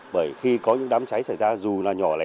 bởi khi có những đám cháy xảy ra dù là nhỏ lẻ